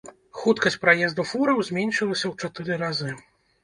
Хуткасць праезду фураў зменшылася ў чатыры разы.